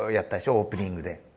オープニングで。